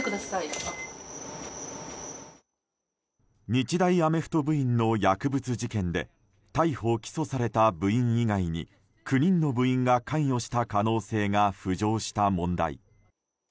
日大アメフト部員の薬物事件で逮捕・起訴された部員以外に９人の部員が関与した可能性が浮上した問題。